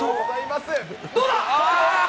どうだ。